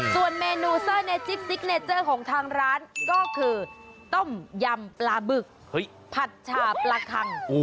ส่วนเมนูเซอร์เนจิ๊บซิกเนเจอร์ของทางร้านก็คือต้มยำปลาบึกผัดชาปลาคัง